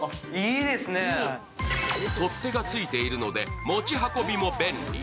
取っ手がついているので持ち運びも便利。